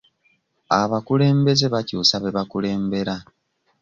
Abakulembeze bakyusa be bakulembera.